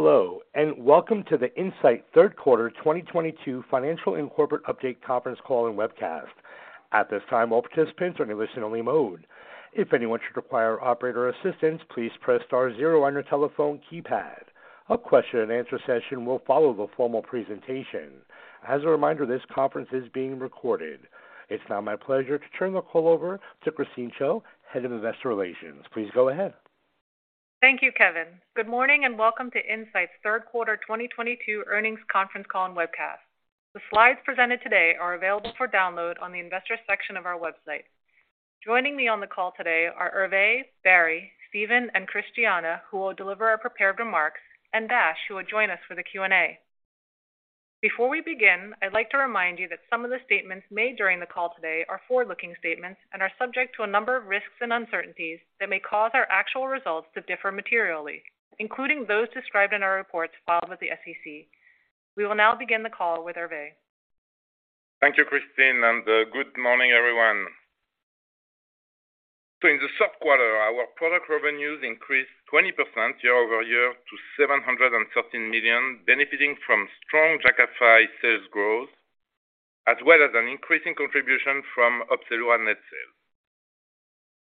Hello, and welcome to the Incyte Third Quarter 2022 Financial and Corporate Update Conference Call and Webcast. At this time, all participants are in listen-only mode. If anyone should require operator assistance, please press star zero on your telephone keypad. A question and answer session will follow the formal presentation. As a reminder, this conference is being recorded. It's now my pleasure to turn the call over to Christine Chiou, Head of Investor Relations. Please go ahead. Thank you, Kevin. Good morning, and welcome to Incyte's third quarter 2022 earnings conference call and webcast. The slides presented today are available for download on the investor section of our website. Joining me on the call today are Hervé, Barry, Steven, and Christiana, who will deliver our prepared remarks, and Dashyant, who will join us for the Q&A. Before we begin, I'd like to remind you that some of the statements made during the call today are forward-looking statements and are subject to a number of risks and uncertainties that may cause our actual results to differ materially, including those described in our reports filed with the SEC. We will now begin the call with Hervé. Thank you, Christine, and good morning, everyone. In the second quarter, our product revenues increased 20% year-over-year to $713 million, benefiting from strong Jakafi sales growth as well as an increasing contribution from Opzelura net sales.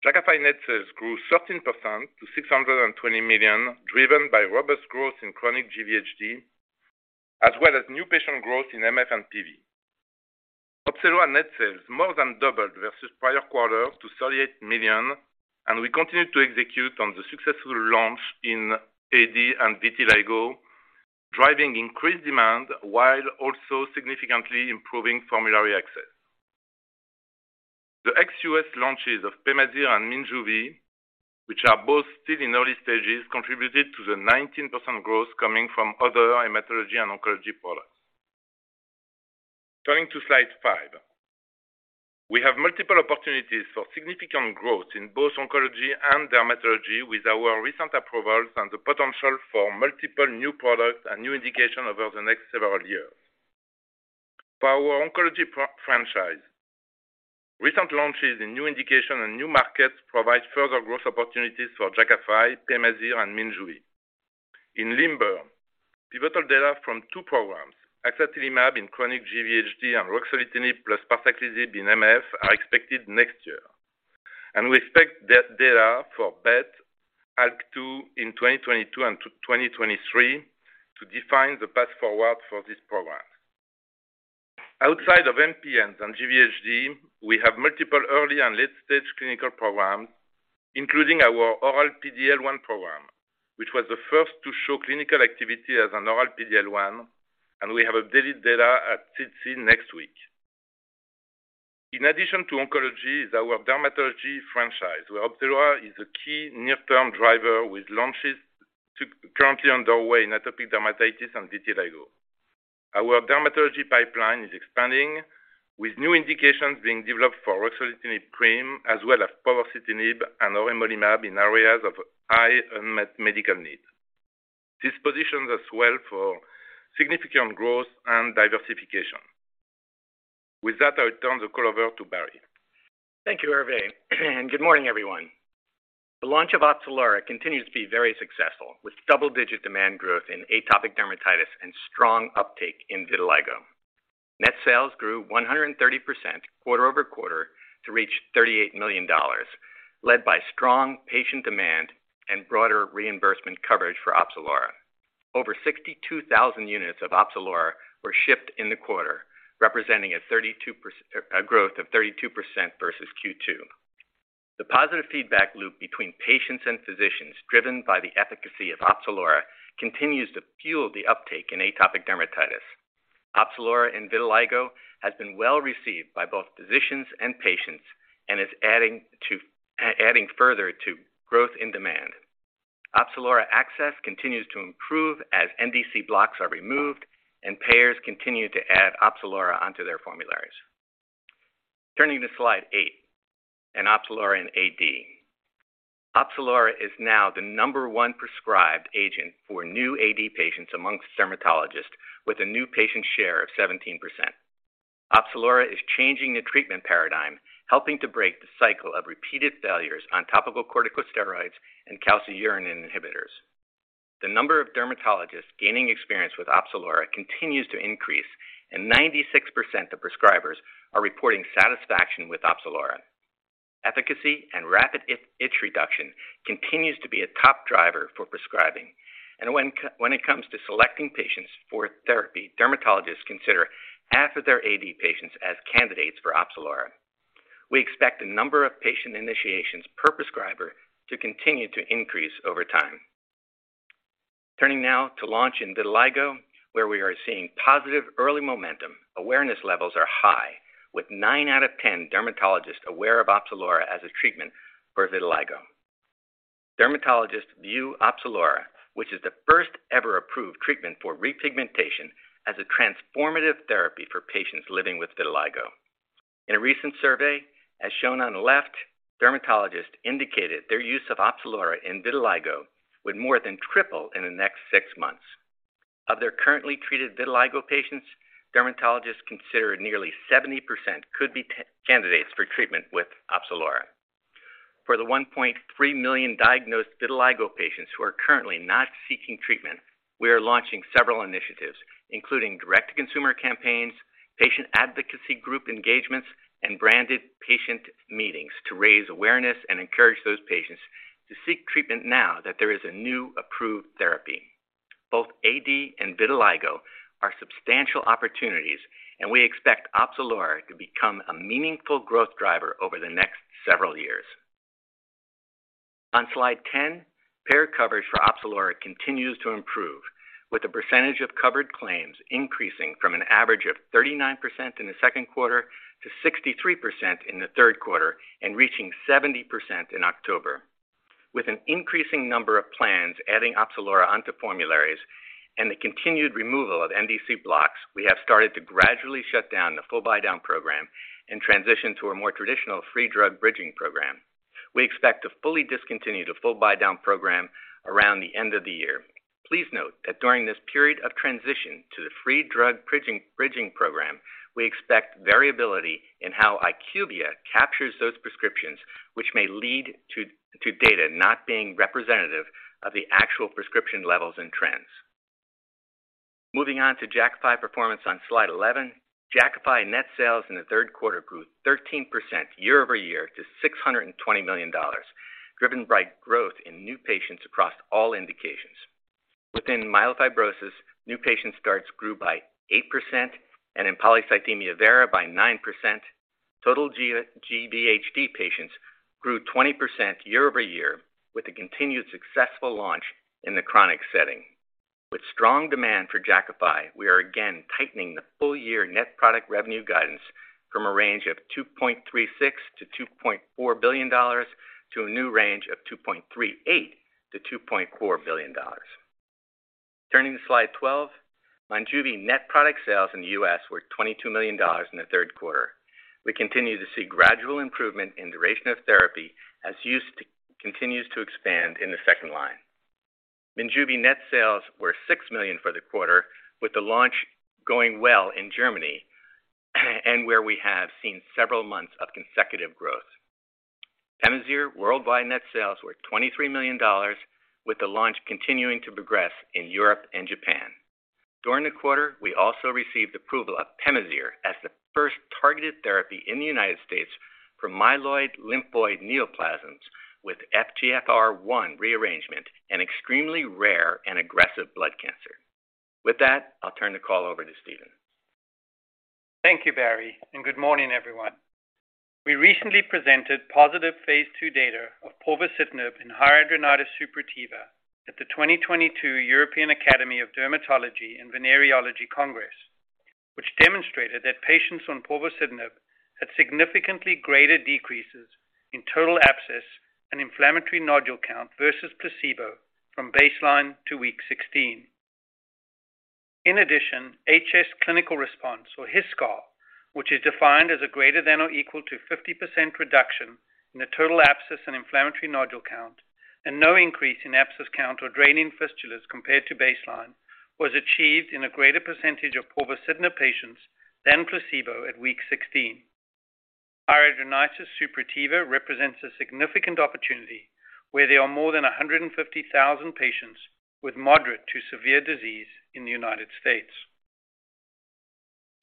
Jakafi net sales grew 13% -$620 million, driven by robust growth in chronic GVHD, as well as new patient growth in MF and PV. Opzelura net sales more than doubled versus prior quarters to $38 million, and we continued to execute on the successful launch in AD and vitiligo, driving increased demand while also significantly improving formulary access. The ex-US launches of Pemazyre and Minjuvi, which are both still in early stages, contributed to the 19% growth coming from other hematology and oncology products. Turning to slide five. We have multiple opportunities for significant growth in both oncology and dermatology with our recent approvals and the potential for multiple new products and new indications over the next several years. For our oncology portfolio, recent launches in new indication and new markets provide further growth opportunities for Jakafi, Pemazyre, and Minjuvi. In LIMBER, pivotal data from two programs, axatilimab in chronic GVHD and ruxolitinib plus parsaclisib in MF, are expected next year. We expect data for BET ALK2 in 2022 and 2023 to define the path forward for this program. Outside of MPNs and GVHD, we have multiple early and late-stage clinical programs, including our oral PD-L1 program, which was the first to show clinical activity as an oral PD-L1, and we have updated data at SITC next week. In addition to oncology is our dermatology franchise, where Opzelura is a key near-term driver with launches currently underway in atopic dermatitis and vitiligo. Our dermatology pipeline is expanding, with new indications being developed for ruxolitinib cream, as well as povorcitinib and auremolimab in areas of high unmet medical need. This positions us well for significant growth and diversification. With that, I'll turn the call over to Barry. Thank you, Hervé, and good morning, everyone. The launch of Opzelura continues to be very successful, with double-digit demand growth in atopic dermatitis and strong uptake in vitiligo. Net sales grew 130% quarter-over-quarter to reach $38 million, led by strong patient demand and broader reimbursement coverage for Opzelura. Over 62,000 units of Opzelura were shipped in the quarter, representing a growth of 32% versus Q2. The positive feedback loop between patients and physicians driven by the efficacy of Opzelura continues to fuel the uptake in atopic dermatitis. Opzelura in vitiligo has been well-received by both physicians and patients and is adding further to growth in demand. Opzelura access continues to improve as NDC blocks are removed and payers continue to add Opzelura onto their formularies. Turning to slide 8 in Opzelura in AD. Opzelura is now the number one prescribed agent for new AD patients amongst dermatologists with a new patient share of 17%. Opzelura is changing the treatment paradigm, helping to break the cycle of repeated failures on topical corticosteroids and calcineurin inhibitors. The number of dermatologists gaining experience with Opzelura continues to increase, and 96% of prescribers are reporting satisfaction with Opzelura. Efficacy and rapid itch reduction continues to be a top driver for prescribing. When it comes to selecting patients for therapy, dermatologists consider half of their AD patients as candidates for Opzelura. We expect the number of patient initiations per prescriber to continue to increase over time. Turning now to launch in vitiligo, where we are seeing positive early momentum. Awareness levels are high, with 9 out of 10 dermatologists aware of Opzelura as a treatment for vitiligo. Dermatologists view Opzelura, which is the first ever approved treatment for repigmentation, as a transformative therapy for patients living with vitiligo. In a recent survey, as shown on the left, dermatologists indicated their use of Opzelura in vitiligo would more than triple in the next six months. Of their currently treated vitiligo patients, dermatologists consider nearly 70% could be candidates for treatment with Opzelura. For the 1.3 million diagnosed vitiligo patients who are currently not seeking treatment, we are launching several initiatives, including direct consumer campaigns, patient advocacy group engagements, and branded patient meetings to raise awareness and encourage those patients to seek treatment now that there is a new approved therapy. Both AD and vitiligo are substantial opportunities, and we expect Opzelura to become a meaningful growth driver over the next several years. On Slide 10, payer coverage for Opzelura continues to improve, with the percentage of covered claims increasing from an average of 39% in the second quarter to 63% in the third quarter and reaching 70% in October. With an increasing number of plans adding Opzelura onto formularies and the continued removal of NDC blocks, we have started to gradually shut down the full buy-down program and transition to a more traditional free drug bridging program. We expect to fully discontinue the full buy-down program around the end of the year. Please note that during this period of transition to the free drug bridging program, we expect variability in how IQVIA captures those prescriptions, which may lead to data not being representative of the actual prescription levels and trends. Moving on to Jakafi performance on Slide 11. Jakafi net sales in the third quarter grew 13% year-over-year to $620 million, driven by growth in new patients across all indications. Within myelofibrosis, new patient starts grew by 8% and in polycythemia vera by 9%. Total GVHD patients grew 20% year-over-year with a continued successful launch in the chronic setting. With strong demand for Jakafi, we are again tightening the full year net product revenue guidance from a range of $2.36-$2.4 billion to a new range of $2.38-$2.4 billion. Turning to Slide 12, Iclusig net product sales in the U.S. were $22 million in the third quarter. We continue to see gradual improvement in duration of therapy as use continues to expand in the second line. Monjuvi net sales were $6 million for the quarter, with the launch going well in Germany, and we have seen several months of consecutive growth. Pemazyre worldwide net sales were $23 million, with the launch continuing to progress in Europe and Japan. During the quarter, we also received approval of Pemazyre as the first targeted therapy in the United States for myeloid/lymphoid neoplasms with FGFR1 rearrangement, an extremely rare and aggressive blood cancer. With that, I'll turn the call over to Steven. Thank you, Barry, and good morning, everyone. We recently presented positive phase II data of povorcitinib in hidradenitis suppurativa at the 2022 European Academy of Dermatology and Venereology Congress, which demonstrated that patients on povorcitinib had significantly greater decreases in total abscess and inflammatory nodule count versus placebo from baseline to week 16. In addition, HiSCR, which is defined as a greater than or equal to 50% reduction in the total abscess and inflammatory nodule count, and no increase in abscess count or draining fistulas compared to baseline, was achieved in a greater percentage of povorcitinib patients than placebo at week 16. Hidradenitis suppurativa represents a significant opportunity where there are more than 150,000 patients with moderate to severe disease in the United States.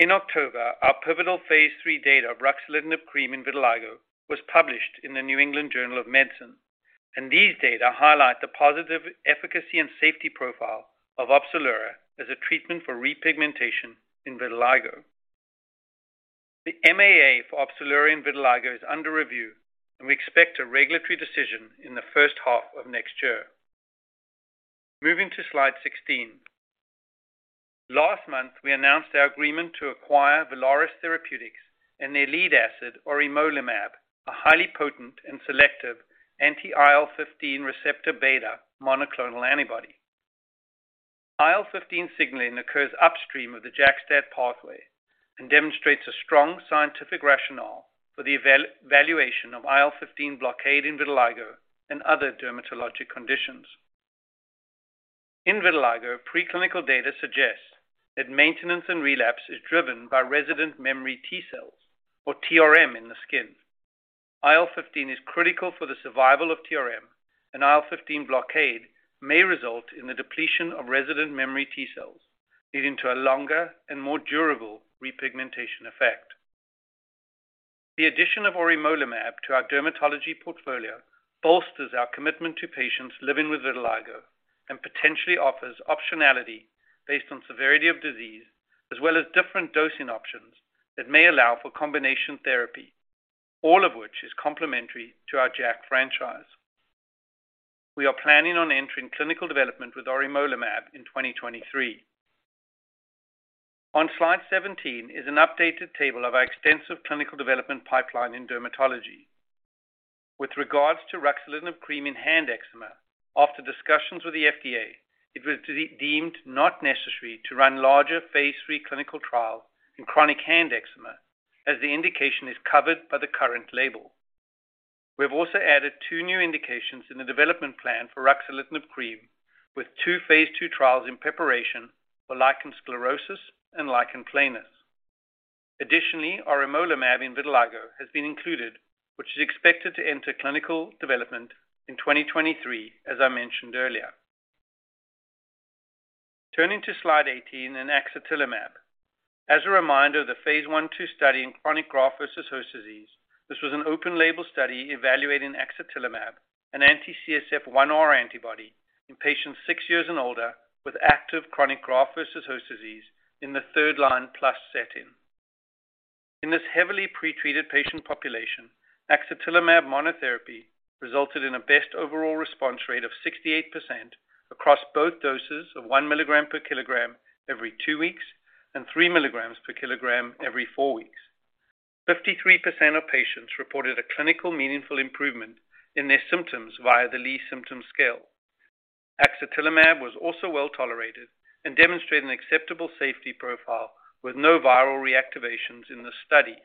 In October, our pivotal phase III data of ruxolitinib cream in vitiligo was published in The New England Journal of Medicine, and these data highlight the positive efficacy and safety profile of Opzelura as a treatment for repigmentation in vitiligo. The MAA for Opzelura in vitiligo is under review, and we expect a regulatory decision in the first half of next year. Moving to slide 16. Last month, we announced our agreement to acquire Veralis Therapeutics and auremolimab, a highly potent and selective anti-IL-15 receptor beta monoclonal antibody. IL-15 signaling occurs upstream of the JAK-STAT pathway and demonstrates a strong scientific rationale for the evaluation of IL-15 blockade in vitiligo and other dermatologic conditions. In vitiligo, preclinical data suggests that maintenance and relapse is driven by resident memory T cells, or TRM in the skin. IL-15 is critical for the survival of TRM, and IL-15 blockade may result in the depletion of resident memory T cells, leading to a longer and more durable repigmentation effect. The addition of auremolimab to our dermatology portfolio bolsters our commitment to patients living with vitiligo and potentially offers optionality based on severity of disease, as well as different dosing options that may allow for combination therapy, all of which is complementary to our JAK franchise. We are planning on entering clinical development with auremolimab in 2023. On slide 17 is an updated table of our extensive clinical development pipeline in dermatology. With regard to ruxolitinib cream in hand eczema, after discussions with the FDA, it was deemed not necessary to run larger phase III clinical trials in chronic hand eczema as the indication is covered by the current label. We have also added two new indications in the development plan for ruxolitinib cream with two phase II trials in preparation for lichen sclerosus and lichen planus. Additionally, our auremolimab in vitiligo has been included, which is expected to enter clinical development in 2023, as I mentioned earlier. Turning to slide 18 in axatilimab. As a reminder, the phase I/2 study in chronic graft-versus-host disease, this was an open-label study evaluating axatilimab, an anti-CSF1R antibody in patients six years and older with active chronic graft-versus-host disease in the third-line+ setting. In this heavily pretreated patient population, axatilimab monotherapy resulted in a best overall response rate of 68% across both doses of 1 mg/kg every two weeks and three mg/kg every four weeks. 53% of patients reported a clinically meaningful improvement in their symptoms via the Lee Symptom Scale. Axatilimab was also well tolerated and demonstrated an acceptable safety profile with no viral reactivations in the study.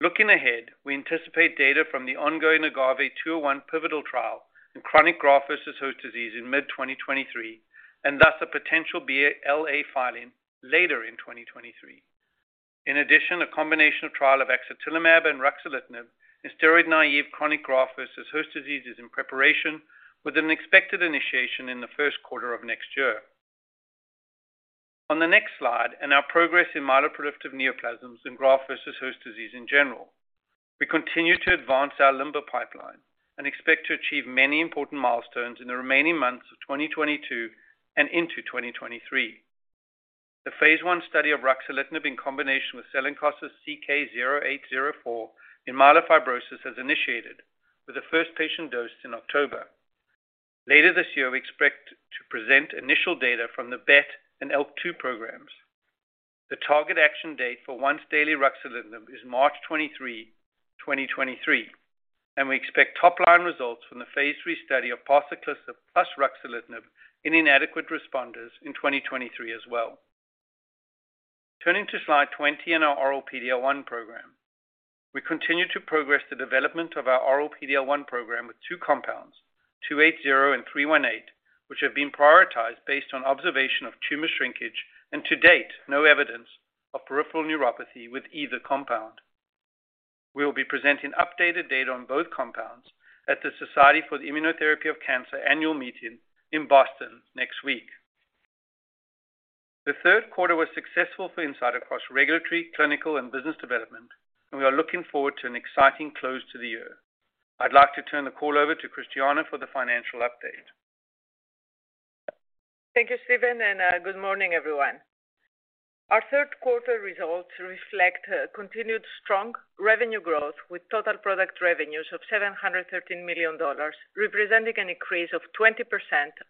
Looking ahead, we anticipate data from the ongoing AGAVE-201 pivotal trial in chronic graft-versus-host disease in mid-2023, and thus a potential BLA filing later in 2023. In addition, a combination trial of axatilimab and ruxolitinib in steroid-naive chronic graft-versus-host disease is in preparation with an expected initiation in the first quarter of next year. On the next slide, our progress in myeloproliferative neoplasms and graft-versus-host disease in general. We continue to advance our LIMBER pipeline and expect to achieve many important milestones in the remaining months of 2022 and into 2023. The phase I study of ruxolitinib in combination with Cellenkos's CK0804 in myelofibrosis has initiated with the first patient dose in October. Later this year, we expect to present initial data from the BET and ALK2 programs. The target action date for once-daily ruxolitinib is March 23, 2023, and we expect top line results from the phase III study of parsaclisib plus ruxolitinib in inadequate responders in 2023 as well. Turning to slide 20 in our oral PD-L1 program. We continue to progress the development of our oral PD-L1 program with two compounds, 280 and 318, which have been prioritized based on observation of tumor shrinkage and to date, no evidence of peripheral neuropathy with either compound. We will be presenting updated data on both compounds at the Society for Immunotherapy of Cancer annual meeting in Boston next week. The third quarter was successful for Incyte across regulatory, clinical, and business development, and we are looking forward to an exciting close to the year. I'd like to turn the call over to Christiana for the financial update. Thank you, Steven, and good morning, everyone. Our third quarter results reflect a continued strong revenue growth with total product revenues of $713 million, representing an increase of 20%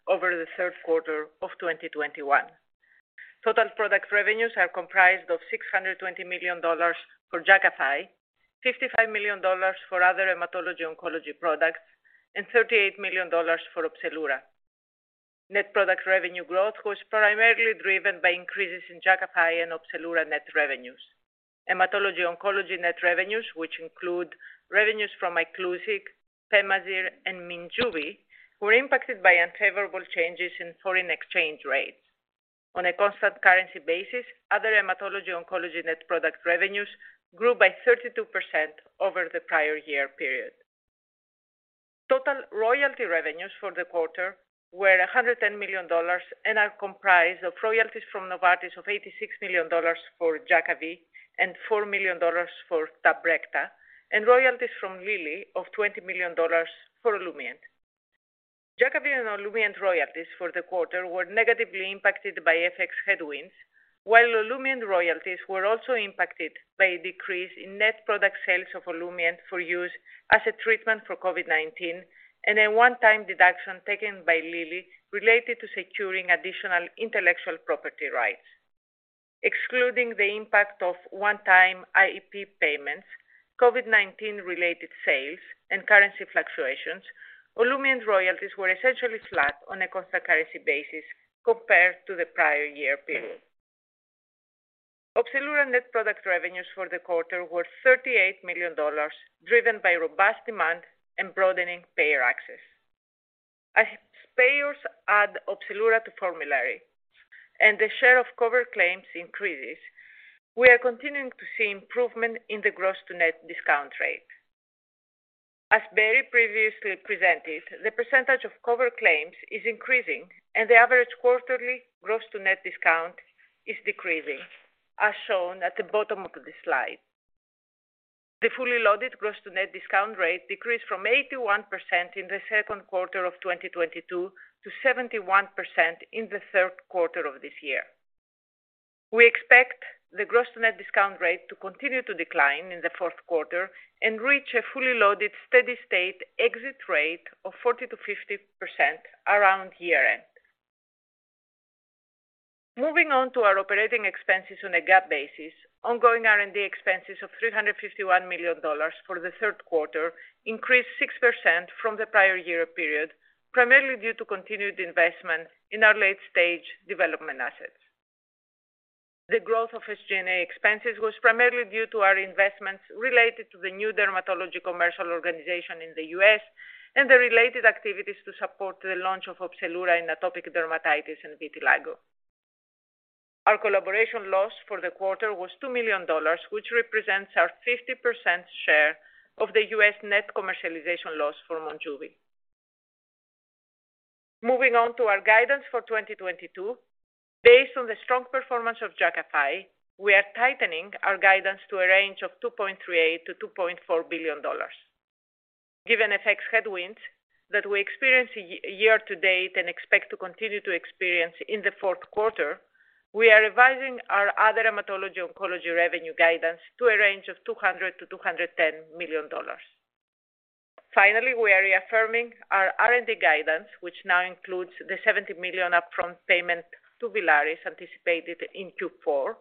over the third quarter of 2021. Total product revenues are comprised of $620 million for Jakafi, $55 million for other hematology oncology products, and $38 million for Opzelura. Net product revenue growth was primarily driven by increases in Jakafi and Opzelura net revenues. Hematology oncology net revenues, which include revenues from Iclusig, Pemazyre, and Minjuvi, were impacted by unfavorable changes in foreign exchange rates. On a constant currency basis, other hematology oncology net product revenues grew by 32% over the prior year period. Total royalty revenues for the quarter were $110 million and are comprised of royalties from Novartis of $86 million for Jakavi and $4 million for Tabrecta, and royalties from Lilly of $20 million for Olumiant. Jakavi and Olumiant royalties for the quarter were negatively impacted by FX headwinds, while Olumiant royalties were also impacted by a decrease in net product sales of Olumiant for use as a treatment for COVID-19, and a one-time deduction taken by Lilly related to securing additional intellectual property rights. Excluding the impact of one-time IP payments, COVID-19-related sales, and currency fluctuations, Olumiant royalties were essentially flat on a constant currency basis compared to the prior year period. Opzelura net product revenues for the quarter were $38 million, driven by robust demand and broadening payer access. As payers add Opzelura to formulary and the share of covered claims increases, we are continuing to see improvement in the gross to net discount rate. As Barry previously presented, the percentage of covered claims is increasing and the average quarterly gross to net discount is decreasing, as shown at the bottom of this slide. The fully loaded gross to net discount rate decreased from 81% in the second quarter of 2022 to 71% in the third quarter of this year. We expect the gross to net discount rate to continue to decline in the fourth quarter and reach a fully loaded steady-state exit rate of 40%-50% around year-end. Moving on to our operating expenses on a GAAP basis, ongoing R&D expenses of $351 million for the third quarter increased 6% from the prior year period, primarily due to continued investment in our late-stage development assets. The growth of SG&A expenses was primarily due to our investments related to the new dermatology commercial organization in the U.S and the related activities to support the launch of Opzelura in atopic dermatitis and vitiligo. Our collaboration loss for the quarter was $2 million, which represents our 50% share of the US net commercialization loss for Monjuvi. Moving on to our guidance for 2022. Based on the strong performance of Jakafi, we are tightening our guidance to a range of $2.38 billion-$2.4 billion. Given FX headwinds that we experienced year-to-date and expect to continue to experience in the fourth quarter, we are revising our other Hematology/Oncology revenue guidance to a range of $200-$210 million. Finally, we are reaffirming our R&D guidance, which now includes the $70 million upfront payment to Villaris anticipated in Q4,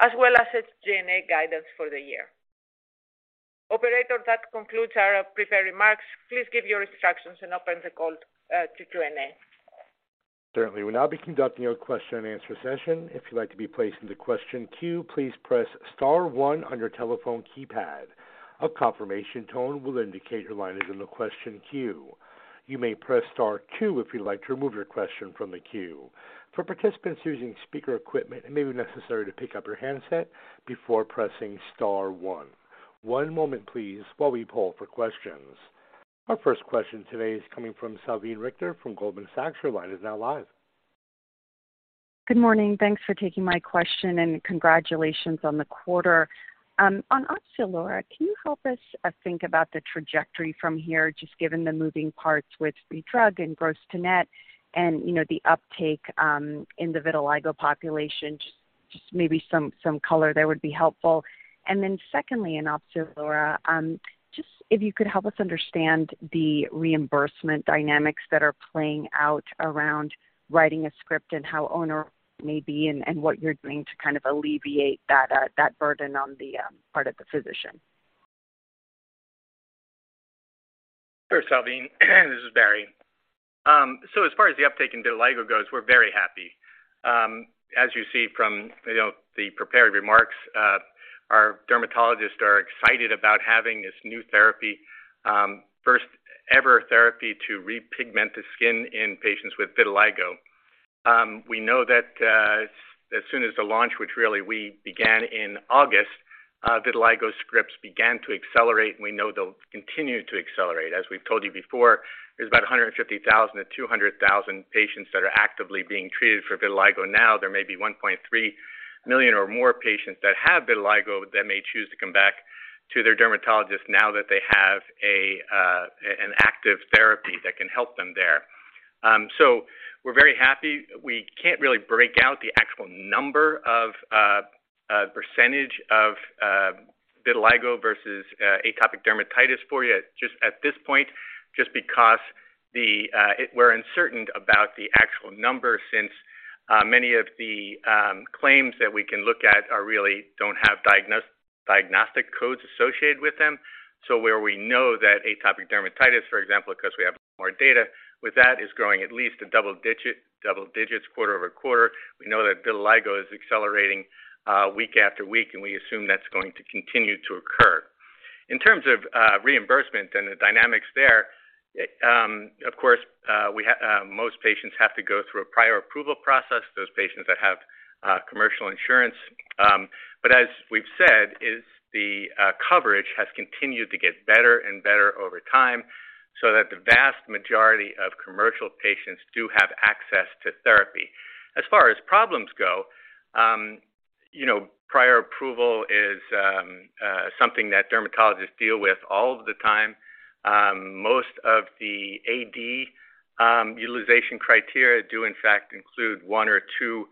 as well as its G&A guidance for the year. Operator, that concludes our prepared remarks. Please give your instructions, and open the call to Q&A. Certainly, we'll now be conducting your question-and-answer session. If you'd like to be placed in the question queue, please press star one on your telephone keypad. A confirmation tone will indicate your line is in the question queue. You may press star two if you'd like to remove your question from the queue. For participants using speaker equipment, it may be necessary to pick up your handset before pressing star one. One moment please while we poll for questions. Our first question today is coming from Salveen Richter from Goldman Sachs. Your line is now live. Good morning, thanks for taking my question, and congratulations on the quarter. On Opzelura, can you help us think about the trajectory from here, just given the moving parts with free drug and gross to net and, you know, the uptake in the vitiligo population? Just maybe some color there would be helpful. Secondly, on Opzelura, just if you could help us understand the reimbursement dynamics that are playing out around writing a script and how onerous may be and what you're doing to kind of alleviate that burden on the part of the physician. Sure, Salveen. This is Barry Flannely. So as far as the uptake in vitiligo goes, we're very happy. As you see from, you know, the prepared remarks, our dermatologists are excited about having this new therapy, first-ever therapy to repigment the skin in patients with vitiligo. We know that, as soon as the launch, which really we began in August, vitiligo scripts began to accelerate, and we know they'll continue to accelerate. As we've told you before, there's about 150,000-200,000 patients that are actively being treated for vitiligo now. There may be 1.3 million or more patients that have vitiligo that may choose to come back to their dermatologist now that they have an active therapy that can help them there. So we're very happy. We can't really break out the actual number of a percentage of vitiligo versus atopic dermatitis for you just at this point, just because we're uncertain about the actual number since many of the claims that we can look at really don't have diagnostic codes associated with them. Where we know that atopic dermatitis, for example, 'cause we have more data with that, is growing at least double digits quarter-over-quarter. We know that vitiligo is accelerating week after week, and we assume that's going to continue to occur. In terms of reimbursement and the dynamics there, of course, most patients have to go through a prior approval process, those patients that have commercial insurance. As we've said, the coverage has continued to get better and better over time, so that the vast majority of commercial patients do have access to therapy. As far as problems go, you know, prior approval is something that dermatologists deal with all of the time. Most of the AD utilization criteria do in fact include one or two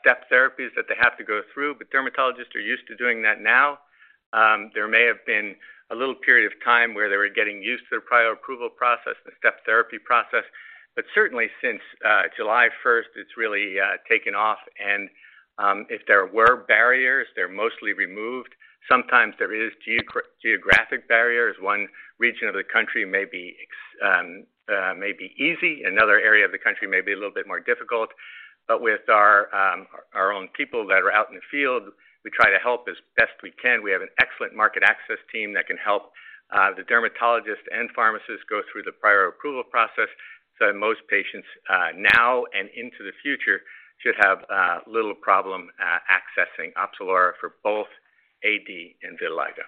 step therapies that they have to go through, but dermatologists are used to doing that now. There may have been a little period of time where they were getting used to the prior approval process, the step therapy process. Certainly, since July first, it's really taken off. If there were barriers, they're mostly removed. Sometimes there is geographic barriers. One region of the country may be easy, another area of the country may be a little bit more difficult. With our own people that are out in the field, we try to help as best we can. We have an excellent market access team that can help the dermatologists and pharmacists go through the prior approval process. Most patients now and into the future should have little problem accessing Opzelura for both AD and vitiligo.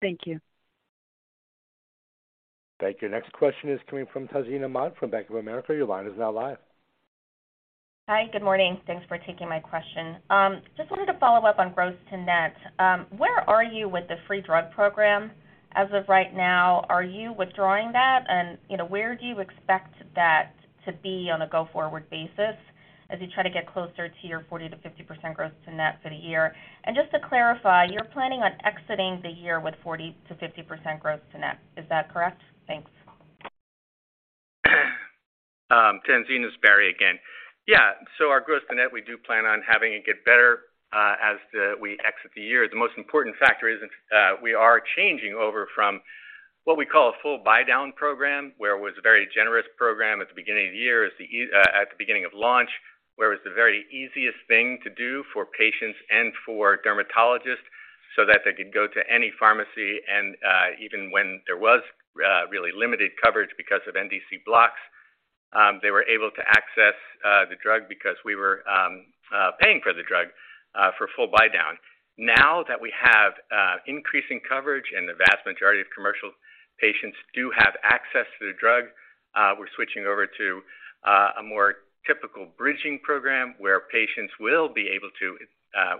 Thank you. Thank you. Next question is coming from Tazeen Ahmad from Bank of America. Your line is now live. Hi. Good morning. Thanks for taking my question. Just wanted to follow up on gross to net. Where are you with the free drug program as of right now? Are you withdrawing that? You know, where do you expect that to be on a go-forward basis as you try to get closer to your 40%-50% growth to net for the year? Just to clarify, you're planning on exiting the year with 40%-50% growth to net. Is that correct? Thanks. Tazeen Ahmad, this is Barry Flannely again. Yeah. Our growth to net, we do plan on having it get better, as we exit the year. The most important factor is, we are changing over from what we call a full buy-down program, where it was a very generous program at the beginning of the year, at the beginning of launch, where it was the very easiest thing to do for patients and for dermatologists. So that they could go to any pharmacy and, even when there was really limited coverage because of NDC blocks, they were able to access the drug because we were paying for the drug for full buy-down. Now that we have increasing coverage and the vast majority of commercial patients do have access to the drug, we're switching over to a more typical bridging program where patients will be able to,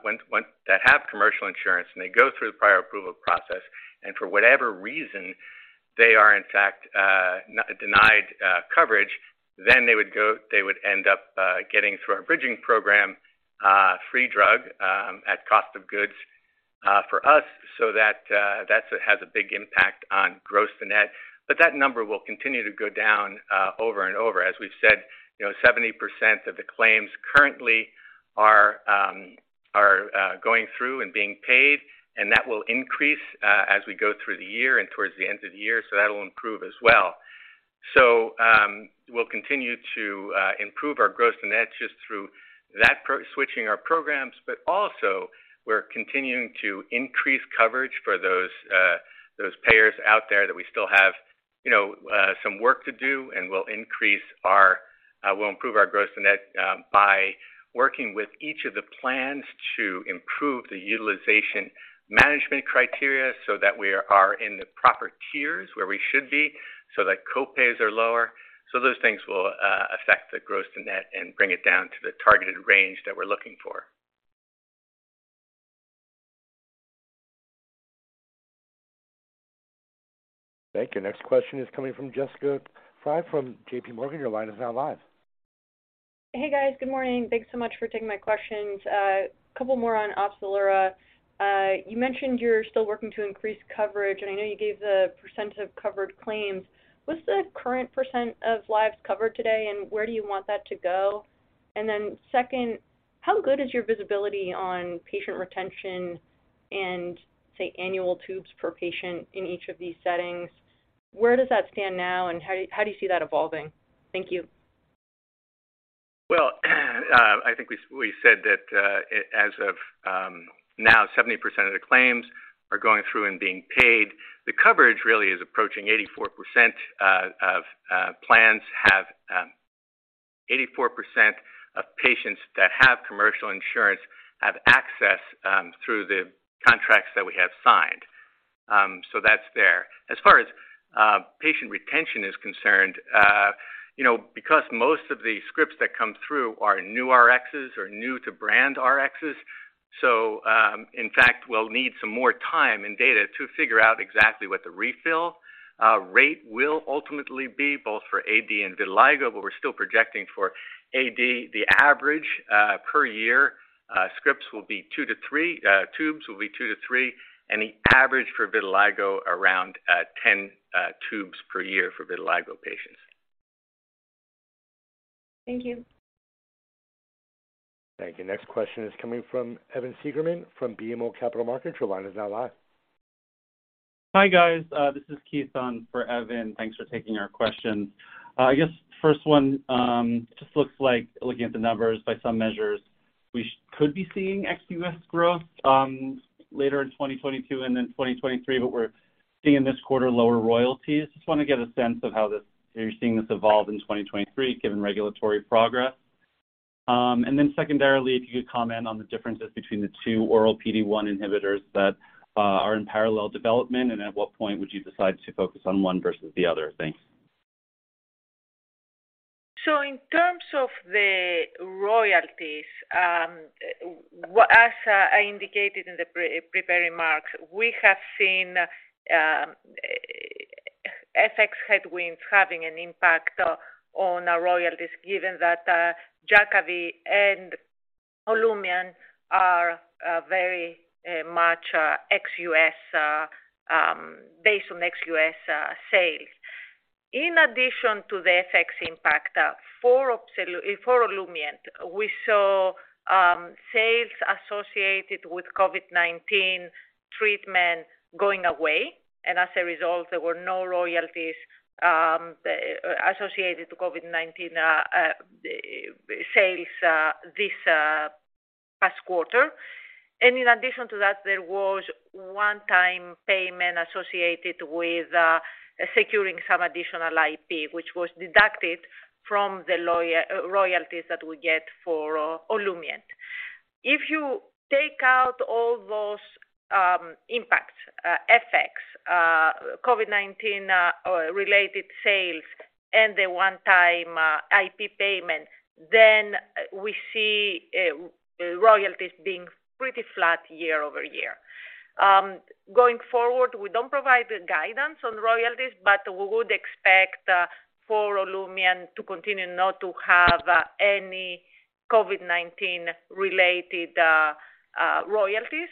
when they have commercial insurance and they go through the prior approval process and for whatever reason they are in fact denied coverage, then they would end up getting through our bridging program, free drug at cost of goods for us so that that has a big impact on gross to net. But that number will continue to go down over time. As we've said, you know, 70% of the claims currently are going through and being paid, and that will increase as we go through the year and towards the end of the year. That will improve as well. We'll continue to improve our gross to net just through that, by switching our programs. Also we're continuing to increase coverage for those payers out there that we still have, you know, some work to do and will improve our gross to net by working with each of the plans to improve the utilization management criteria so that we are in the proper tiers where we should be, so that co-pays are lower. Those things will affect the gross to net and bring it down to the targeted range that we're looking for. Thank you. Next question is coming from Jessica Fye from J.P. Morgan. Your line is now live. Hey, guys. Good morning. Thanks so much for taking my questions. Couple more on Opzelura. You mentioned you're still working to increase coverage, and I know you gave the percent of covered claims. What's the current percent of lives covered today, and where do you want that to go? And then second, how good is your visibility on patient retention and, say, annual tubes per patient in each of these settings? Where does that stand now, and how do you see that evolving? Thank you. Well, I think we said that, as of now, 70% of the claims are going through and being paid. The coverage really is approaching 84% of plans have 84% of patients that have commercial insurance have access through the contracts that we have signed. That's there. As far as patient retention is concerned, you know, because most of the scripts that come through are new Rxes or new to brand Rxes, in fact we'll need some more time and data to figure out exactly what the refill rate will ultimately be, both for AD and vitiligo. We're still projecting for AD, the average per year scripts will be two-three, tubes will be two-three, and the average for vitiligo around 10 tubes per year for vitiligo patients. Thank you. Thank you. Next question is coming from Evan Seigerman from BMO Capital Markets. Your line is now live. Hi, guys. This is Keith on for Evan Seigerman. Thanks for taking our question. I guess first one, just looks like looking at the numbers by some measures. We could be seeing ex-US growth later in 2022 and then 2023, but we're seeing in this quarter lower royalties. Just wanna get a sense of how this, you're seeing this evolve in 2023 given regulatory progress. And then secondarily, if you could comment on the differences between the two oral PD-L1 inhibitors that are in parallel development and at what point would you decide to focus on one versus the other? Thanks. In terms of the royalties, as I indicated in the pre-prepared remarks, we have seen FX headwinds having an impact on our royalties given that Jakavi and Olumiant are very much ex-U.S. based on ex-U.S. sales. In addition to the FX impact, for Olumiant, we saw sales associated with COVID-19 treatment going away. As a result, there were no royalties associated to COVID-19 sales this past quarter. In addition to that, there was one-time payment associated with securing some additional IP, which was deducted from the royalties that we get for Olumiant. If you take out all those impacts, FX, COVID-19 related sales and the one-time IP payment, then we see royalties being pretty flat year-over-year. Going forward, we don't provide guidance on royalties, but we would expect for Olumiant to continue not to have any COVID-19 related royalties.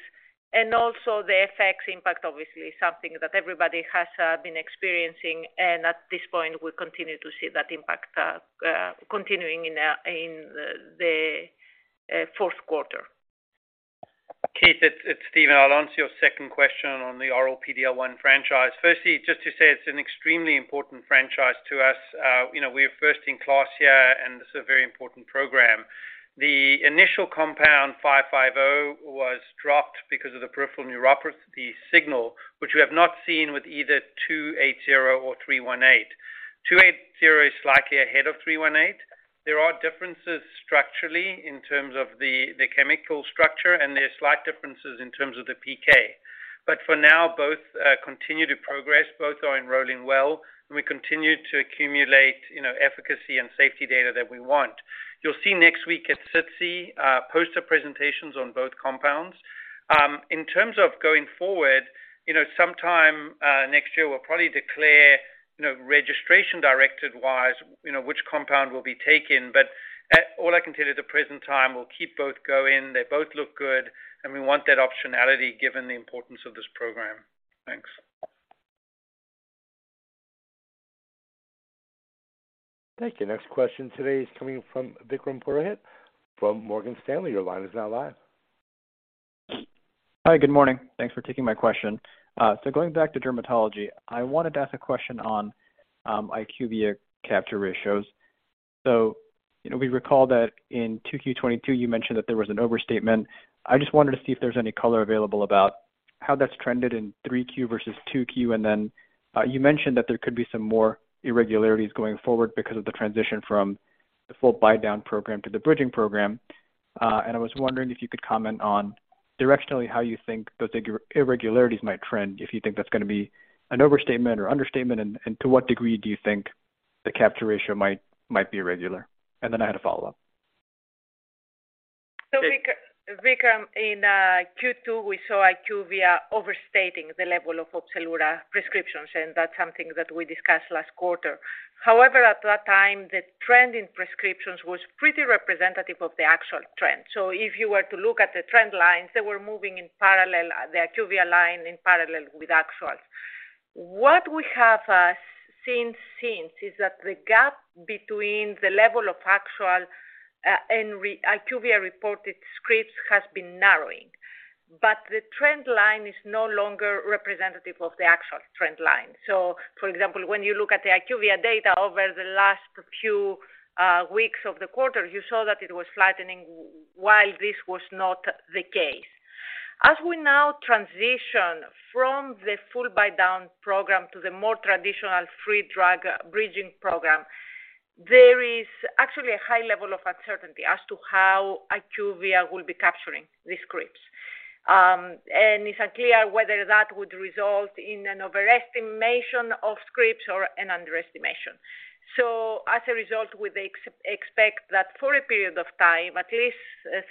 Also the FX impact obviously is something that everybody has been experiencing and at this point we continue to see that impact continuing in the fourth quarter. Keith, it's Steven. I'll answer your second question on the oral PD-L1 franchise. Just to say it's an extremely important franchise to us. You know, we're first in class here, and this is a very important program. The initial compound 550 was dropped because of the peripheral neuropathy signal, which we have not seen with either 280 or 318. 280 is slightly ahead of 318. There are differences structurally in terms of the chemical structure, and there are slight differences in terms of the PK. But for now, both continue to progress. Both are enrolling well, and we continue to accumulate, you know, efficacy and safety data that we want. You'll see next week at SITC poster presentations on both compounds. In terms of going forward, you know, sometime next year, we'll probably declare, you know, registration directed-wise, you know, which compound will be taken. All I can tell you at the present time, we'll keep both going. They both look good. We want that optionality given the importance of this program. Thanks. Thank you. Next question today is coming from Vikram Purohit from Morgan Stanley. Your line is now live. Hi. Good morning. Thanks for taking my question. Going back to dermatology, I wanted to ask a question on IQVIA capture ratios. You know, we recall that in 2Q 2022, you mentioned that there was an overstatement. I just wanted to see if there's any color available about how that's trended in 3Q versus 2Q. You mentioned that there could be some more irregularities going forward because of the transition from the full buydown program to the bridging program. I was wondering if you could comment on directionally how you think those irregularities might trend, if you think that's gonna be an overstatement or understatement, and to what degree you think the capture ratio might be irregular. I had a follow-up. Vikram, in Q2, we saw IQVIA overstating the level of Opzelura prescriptions, and that's something that we discussed last quarter. However, at that time, the trend in prescriptions was pretty representative of the actual trend. If you were to look at the trend lines, they were moving in parallel, the IQVIA line in parallel with actuals. What we have seen since is that the gap between the level of actual and IQVIA-reported scripts has been narrowing, but the trend line is no longer representative of the actual trend line. For example, when you look at the IQVIA data over the last few weeks of the quarter, you saw that it was flattening while this was not the case. As we now transition from the full buydown program to the more traditional free drug bridging program, there is actually a high level of uncertainty as to how IQVIA will be capturing the scripts. It's unclear whether that would result in an overestimation of scripts or an underestimation. As a result, we expect that for a period of time, at least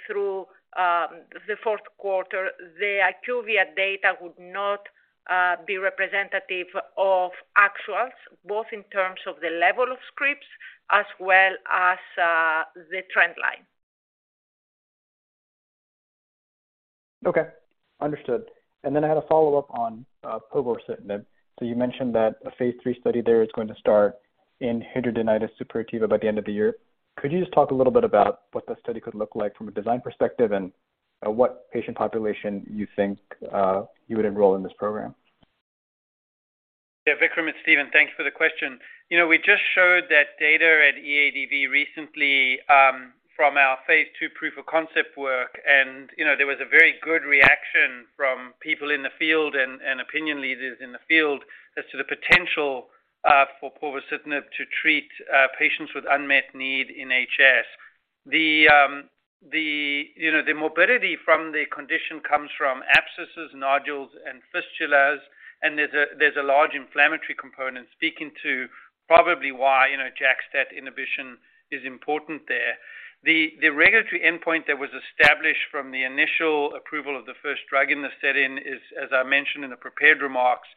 through the fourth quarter, the IQVIA data would not be representative of actuals, both in terms of the level of scripts as well as the trend line. Okay. Understood. I had a follow-up on povorcitinib. You mentioned that a phase III study there is going to start in hidradenitis suppurativa by the end of the year. Could you just talk a little bit about what the study could look like from a design perspective and what patient population you think you would enroll in this program? Yeah. Vikram, it's Steven. Thank you for the question. You know, we just showed that data at EADV recently from our phase two proof of concept work. You know, there was a very good reaction from people in the field and opinion leaders in the field as to the potential for povorcitinib to treat patients with unmet need in HS. The, you know, the morbidity from the condition comes from abscesses, nodules and fistulas, and there's a large inflammatory component speaking to probably why, you know, JAK-STAT inhibition is important there. The regulatory endpoint that was established from the initial approval of the first drug in the setting is, as I mentioned in the prepared remarks,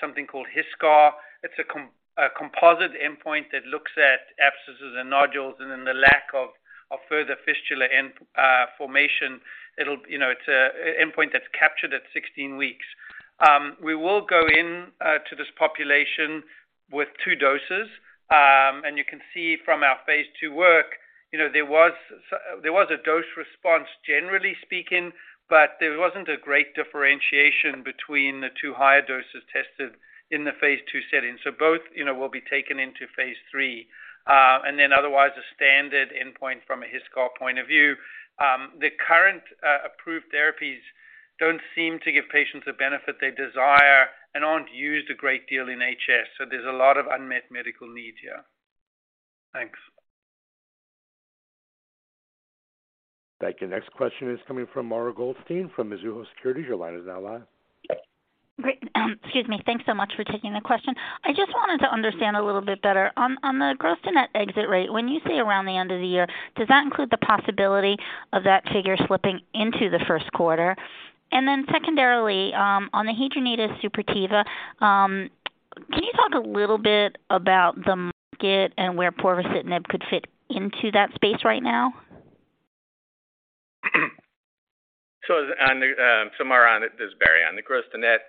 something called HiSCR. It's a composite endpoint that looks at abscesses and nodules and then the lack of further fistula and formation. It'll. You know, it's a endpoint that's captured at 16 weeks. We will go into this population with two doses. And you can see from our phase II work, you know, there was a dose response, generally speaking, but there wasn't a great differentiation between the two higher doses tested in the phase II setting. Both, you know, will be taken into phase III. Then otherwise, a standard endpoint from a HiSCR point of view. The current approved therapies don't seem to give patients the benefit they desire and aren't used a great deal in HS, so there's a lot of unmet medical needs here. Thanks. Thank you. Next question is coming from Mara Goldstein from Mizuho Securities. Your line is now live. Great. Excuse me. Thanks so much for taking the question. I just wanted to understand a little bit better. On the gross to net exit rate, when you say around the end of the year, does that include the possibility of that figure slipping into the first quarter? And then secondarily, on the hidradenitis suppurativa, can you talk a little bit about the market and where povorcitinib could fit into that space right now? Mara, this is Barry. On the gross to net.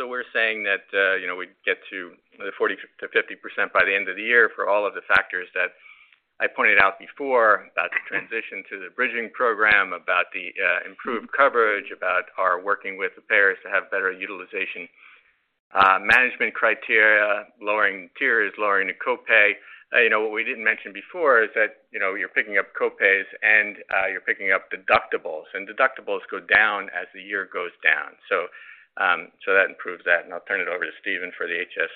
We're saying that, you know, we'd get to the 40%-50% by the end of the year for all of the factors that- I pointed out before about the transition to the bridging program, about the improved coverage, about our working with the payers to have better utilization management criteria, lowering tiers, lowering the copay. You know, what we didn't mention before is that, you know, you're picking up copays and, you're picking up deductibles, and deductibles go down as the year goes down. That improves that. I'll turn it over to Steven for the HS.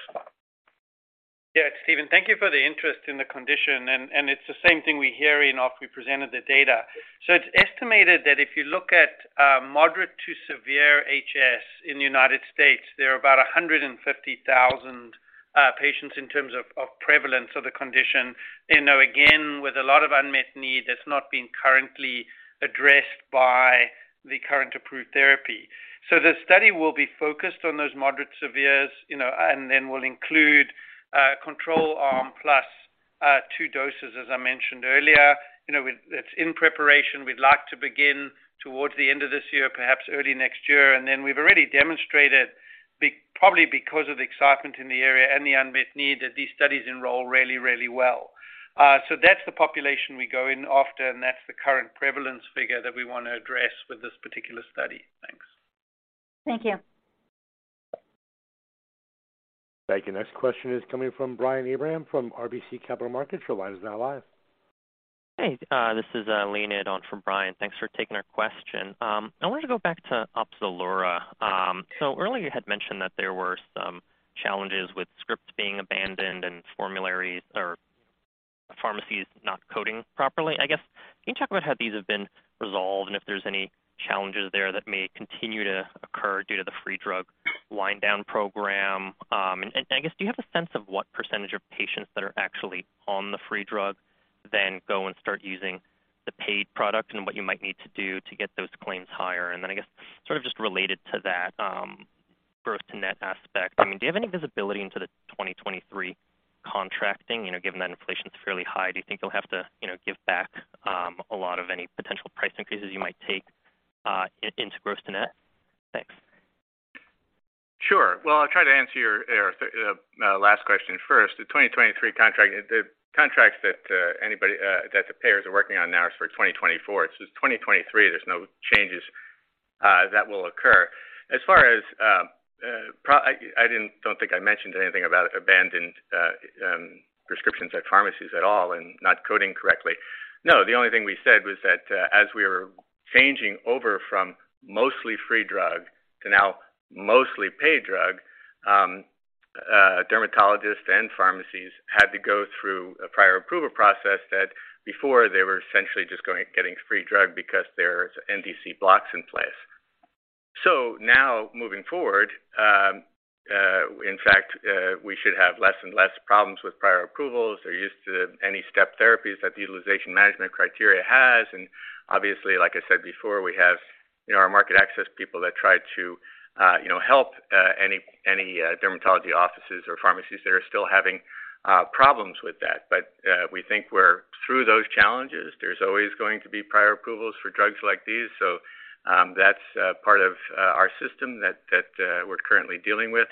Yeah. Steven, thank you for the interest in the condition. It's the same thing we hear after we presented the data. It's estimated that if you look at moderate to severe HS in the United States, there are about 150,000 patients in terms of prevalence of the condition. You know, again, with a lot of unmet need that's not been currently addressed by the current approved therapy. The study will be focused on those moderate to severe, you know, and then will include a control arm plus two doses, as I mentioned earlier. You know, it's in preparation. We'd like to begin towards the end of this year, perhaps early next year. We've already demonstrated probably because of the excitement in the area and the unmet need, that these studies enroll really well. That's the population we go in after, and that's the current prevalence figure that we wanna address with this particular study. Thanks. Thank you. Thank you. Next question is coming from Brian Abrahams from RBC Capital Markets. Your line is now live. Hey, this is Leon from Brian. Thanks for taking our question. I wanted to go back to Opzelura. So earlier you had mentioned that there were some challenges with scripts being abandoned and formularies or pharmacies not coding properly. I guess can you talk about how these have been resolved and if there's any challenges there that may continue to occur due to the free drug wind down program? And I guess do you have a sense of what percentage of patients that are actually on the free drug then go and start using the paid product and what you might need to do to get those claims higher? Then I guess sort of just related to that, gross to net aspect. I mean, do you have any visibility into the 2023 contracting? You know, given that inflation is fairly high, do you think you'll have to, you know, give back a lot of any potential price increases you might take into gross to net? Thanks. Sure. Well, I'll try to answer your last question first. The contracts that anybody that the payers are working on now is for 2024. So it's 2023, there's no changes that will occur. As far as pro- I don't think I mentioned anything about abandoned prescriptions at pharmacies at all and not coding correctly. No, the only thing we said was that as we were changing over from mostly free drug to now mostly paid drug, dermatologists and pharmacies had to go through a prior approval process that before they were essentially just getting free drug because there's NDC blocks in place. So now moving forward, in fact, we should have less and less problems with prior approvals. They're used to any step therapies that the Utilization Management criteria has. Obviously, like I said before, we have, you know, our market access people that try to, you know, help any dermatology offices or pharmacies that are still having problems with that. We think we're through those challenges. There's always going to be prior approvals for drugs like these. That's part of our system that we're currently dealing with.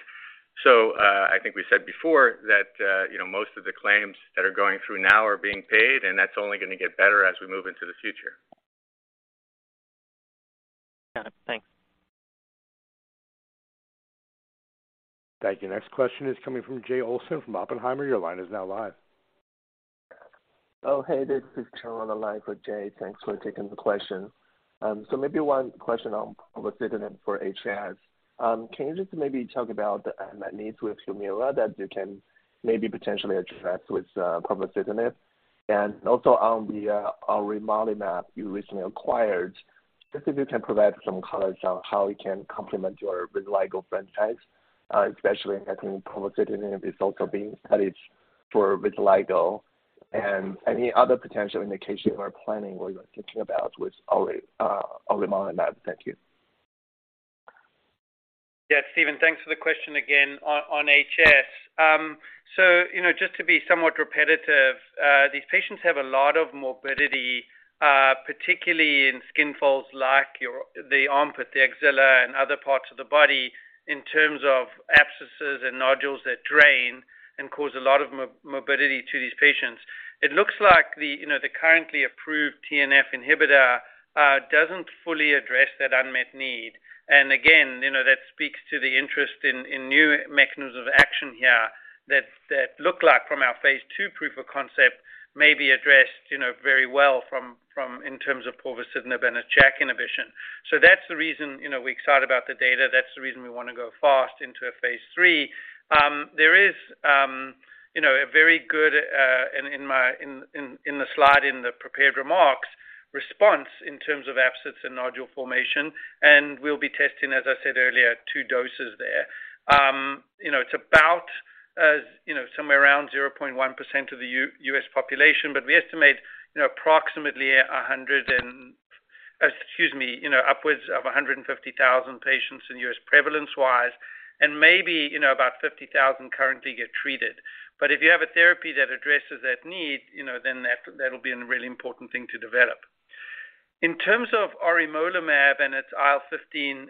I think we said before that, you know, most of the claims that are going through now are being paid, and that's only gonna get better as we move into the future. Got it. Thanks. Thank you. Next question is coming from Jay Olson from. Your line is now live. Oh, hey, this is Charles Zhu on the line for Jay. Thanks for taking the question. Maybe one question on povorcitinib for HS. Can you just maybe talk about the unmet needs with Humira that you can maybe potentially address with povorcitinib? Also on the auremolimab you recently acquired, just if you can provide some color on how it can complement your vitiligo franchise, especially I think povorcitinib is also being studied for vitiligo and any other potential indications you are planning or you're thinking about with auremolimab. Thank you. Yeah, Steven, thanks for the question again on HS. You know, just to be somewhat repetitive, these patients have a lot of morbidity, particularly in skin folds like the armpit, the axilla and other parts of the body in terms of abscesses and nodules that drain and cause a lot of morbidity to these patients. It looks like, you know, the currently approved TNF inhibitor doesn't fully address that unmet need. Again, you know, that speaks to the interest in new mechanisms of action here that look like, from our phase two proof of concept, may be addressed, you know, very well in terms of povorcitinib and a JAK inhibition. That's the reason, you know, we're excited about the data. That's the reason we wanna go fast into a phase III. There is you know a very good and in the slide in the prepared remarks response in terms of abscess and nodule formation. We'll be testing, as I said earlier, two doses there. You know it's about you know somewhere around 0.1% of the US population, but we estimate you know approximately upwards of 150,000 patients in US prevalence-wise, and maybe you know about 50,000 currently get treated. If you have a therapy that addresses that need, you know, then that'll be a really important thing to develop. In terms of auremolimab and its IL-15